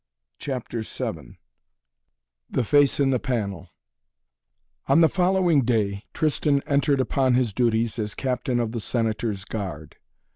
CHAPTER VII THE FACE IN THE PANEL On the following day Tristan entered upon his duties as captain of the Senator's guard.